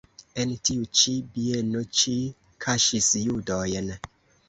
En tiu ĉi bieno ŝi kaŝis judojn.